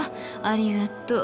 ありがとう。